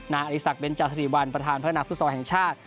อริสักเบนจาศิวัลประธานพัฒนาฟุตซอลแห่งชาติ